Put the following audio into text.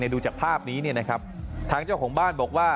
ดูจากภาพนี้นะครับทางเจ้าของบ้านบอกว่า